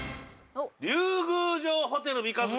龍宮城ホテル三日月